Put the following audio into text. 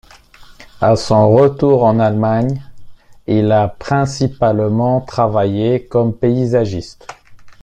À son retour en Allemagne, il a principalement travaillé comme paysagiste.